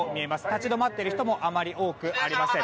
立ち止まっている人もあまり多くありません。